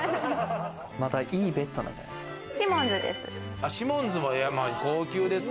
またいいベッドなんじゃないシモンズです。